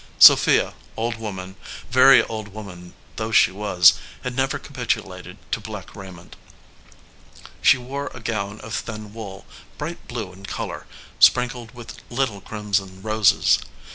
Sophia, old woman, very old woman though she was, had never capitulated to black raiment. She wore a gown of thin wool, bright blue in color, sprinkled with little crimson roses.